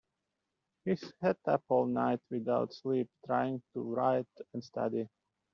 He sat up all night, without sleep, trying to write and study